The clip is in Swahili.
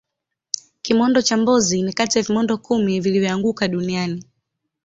kimondo cha mbozi ni Kati ya vimondo kumi vilivyoanguka duniani